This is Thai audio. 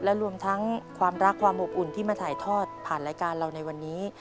และรวมทั้งความรักความอบอุ่นที่มาถ่ายทอดผ่านรายการเราในวันนี้